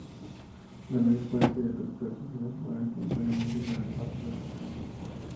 La mayor parte de los casos mejoran espontáneamente con el paso de los años.